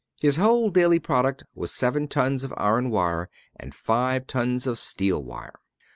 His whole daily product was seven tons of iron wire, and five tons of steel wire.